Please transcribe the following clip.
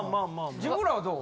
自分らはどう？